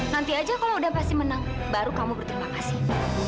nanti aja kalau udah pasti menang baru kamu berterima kasih